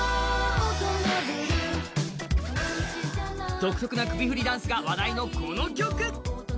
独特な首振りダンスが話題のこの曲。